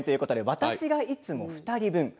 私がいつも２人分です。